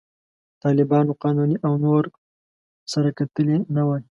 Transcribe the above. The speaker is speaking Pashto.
طالبانو، قانوني او نور سره کتلي نه وای.